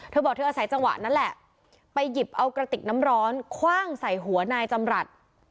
เธอบอกเธออาศัยจังหวะนั้นแหละไปหยิบเอากระติกน้ำร้อนคว่างใส่หัวนายจำรัฐ